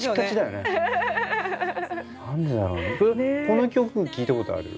この曲聴いたことある？